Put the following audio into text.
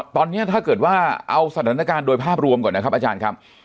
ตอนนี้ถ้าเกิดว่าเอาสถานการณ์โดยภาพรวมก่อนนะครับอาจารย์ครับ